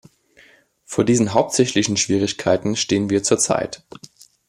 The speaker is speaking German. Vor diesen hauptsächlichen Schwierigkeiten stehen wir zurzeit.